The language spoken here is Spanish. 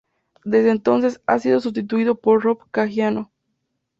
Desde entonces ha sido sustituido por Rob Caggiano.